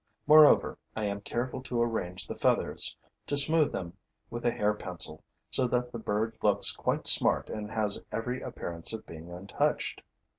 Moreover, I am careful to arrange the feathers, to smooth them with a hair pencil, so that the bird looks quite smart and has every appearance of being untouched.